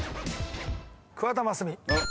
桑田真澄。